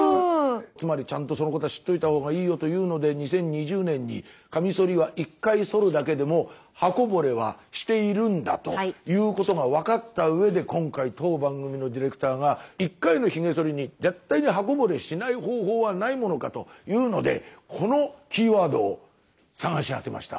つまりちゃんとそのことは知っといたほうがいいよというので２０２０年にカミソリは１回そるだけでも刃こぼれはしているんだということが分かった上で今回当番組のディレクターがというのでこのキーワードを探し当てました。